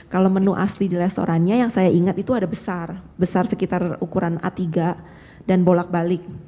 kalau menu asli di restorannya yang saya ingat itu ada besar besar sekitar ukuran a tiga dan bolak balik